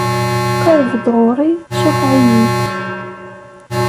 Qerreb-d ɣur-i, cafeɛ-iyi-d.